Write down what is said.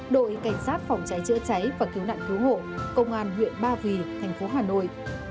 đội cảnh sát phòng cháy chữa cháy và cứu nạn cứu hộ công an huyện ba vì thành phố hà nội